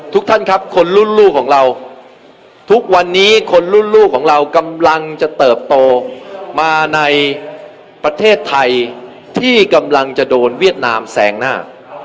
ท่านครับคนรุ่นลูกของเราทุกวันนี้คนรุ่นลูกของเรากำลังจะเติบโตมาในประเทศไทยที่กำลังจะโดนเวียดนามแสงหน้า